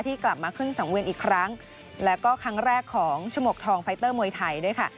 กลับมาขึ้นสังเวียนอีกครั้งแล้วก็ครั้งแรกของฉมกทองไฟเตอร์มวยไทยด้วยค่ะ